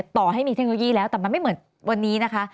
ต่อให้มีเทคโนโลยีแล้วแต่มันไม่เหมือนวันนี้นะคะ